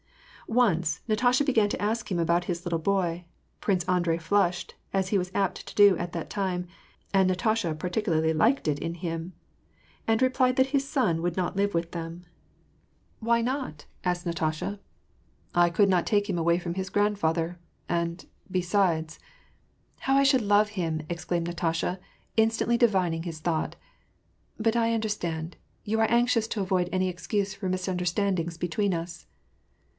Once, Natasha began to ask him about his little boy : Prince Andrei flushed, as he was apt to do at that time, — and Natasha particularly liked it in him, — and replied that his son would not live with them. WAR AND PEACE. 235 " Why not ?" asked Natasha. '*! could not take him away from his grandfather; and, besides "—" How I should love him !'^ exclaimed Natasha, instantly divining his thought. '^ But I understand : you are anxious to avoid any excuse for misiuiderstandings between us."